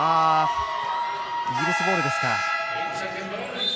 イギリスボールです。